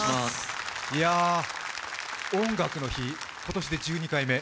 「音楽の日」、今年で１２回目。